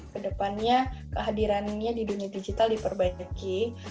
kedepannya kehadirannya di dunia digital diperbaiki